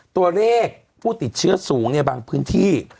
ตัวเลขผู้ติดเชื้อสูงในบางพื้นที่